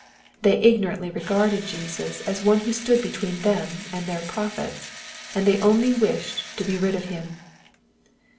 They ignorantly regarded Jesus as one who stood between them and their profits, and they only wished to be rid of Him.